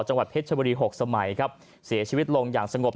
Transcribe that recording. จังหวัดเพชรชบุรี๖สมัยครับเสียชีวิตลงอย่างสงบ